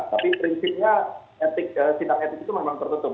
tapi prinsipnya sidang etik itu memang tertutup